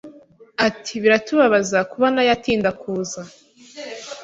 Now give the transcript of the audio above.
Ati biratubabaza kuba nayo atinda kuza